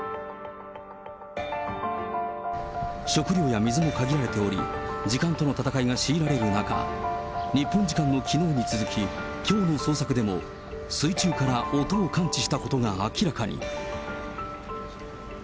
食料や水も限られており、時間との闘いが強いられる中、日本時間のきのうに続き、きょうの捜索でも水中から音を感知したことが明らかに。